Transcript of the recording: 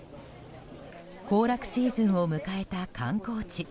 行楽シーズンを迎えた観光地。